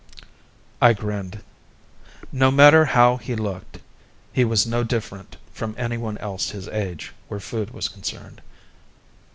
I grinned. No matter how he looked, he was no different from anyone else his age where food was concerned.